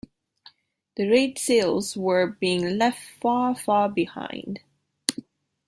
The red sails were being left far, far behind.